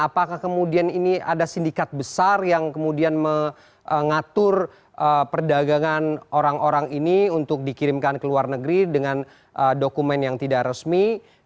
apakah kemudian ini ada sindikat besar yang kemudian mengatur perdagangan orang orang ini untuk dikirimkan ke luar negeri dengan dokumen yang tidak resmi